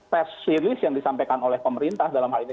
tes series yang disampaikan oleh pemerintah dalam hal ini